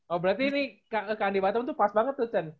oh berarti ini kak andi batam tuh pas banget tuh ten